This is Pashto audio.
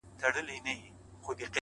د حقیقت درناوی حکمت زیاتوي